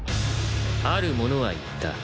ある者は言った